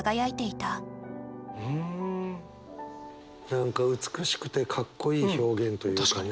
何か美しくてかっこいい表現というかね。